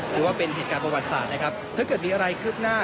ถือว่าเป็นเหตุการณ์ประวัติศาสตร์นะครับถ้าเกิดมีอะไรคืบหน้า